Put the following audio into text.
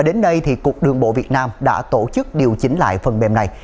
đến nay cục đường bộ việt nam đã tổ chức điều chỉnh lại phần mềm này